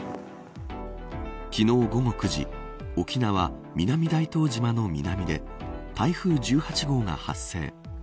昨日午後９時沖縄、南大東島の南で台風１８号が発生。